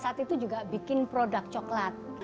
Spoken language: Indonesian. saat itu juga bikin produk coklat